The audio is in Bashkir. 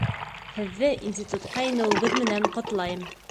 Һеҙҙе институтҡа инәүегеҙ менән ҡотлайым!